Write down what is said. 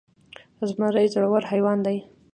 زمری زړور حيوان دی.